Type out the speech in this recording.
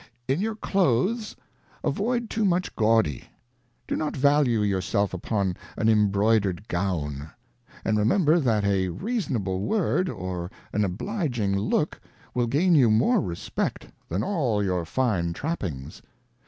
In your Clothes avoid too much Gaudy; do not value your self upon an Imbroidered Gown ; and remember, that a reason able Word, or an obliging Look, will gain you more respect, than all your fine Trappings.